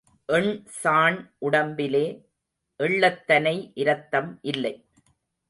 எண்சாண் உடம்பிலே எள்ளத்தனை இரத்தம் இல்லை.